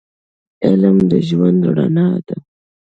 علم د ژوند رڼا ده